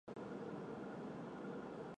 跟我一样的声音